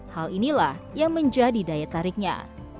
hal inilah yang menjadi daya tariknya